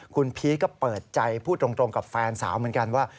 คุณพีชก็เปิดใจพูดตรงกับแฟนสาวเหมือนกันว่า